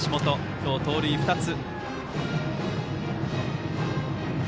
今日、盗塁２つ。